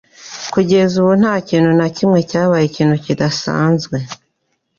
Kugeza ubu nta kintu na kimwe cyabaye ikintu kidasanzwe